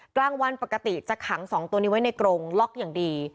กลางวันปกติจะขัง๒ตัวนี้ไว้ในกรงล็อกอย่างดี